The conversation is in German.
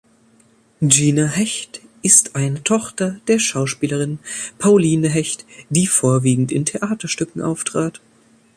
Gina Hecht ist eine Tochter der Schauspielerin Pauline Hecht, die vorwiegend in Theaterstücken auftrat.